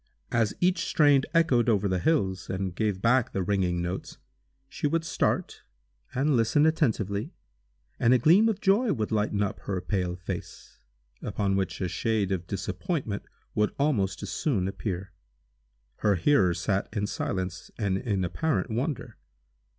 As each strain echoed over the hills, and gave back the ringing notes, she would start, and listen attentively, and a gleam of joy would lighten up her pale face, upon which a shade of disappointment would almost as soon appear. Her hearers sat in silence, and in apparent wonder.